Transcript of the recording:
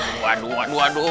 aduh aduh aduh aduh